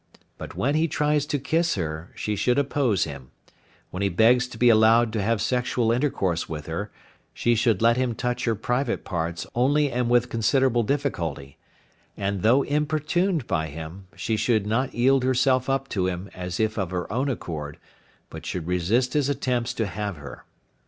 But when he tries to kiss her she should oppose him; when he begs to be allowed to have sexual intercourse with her she should let him touch her private parts only and with considerable difficulty; and though importuned by him, she should not yield herself up to him as if of her own accord, but should resists his attempts to have her.